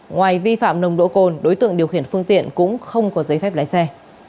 ngoài vi phạm nồng độ cồn đối tượng điều khiển phương tiện cũng không có giấy phép lái xe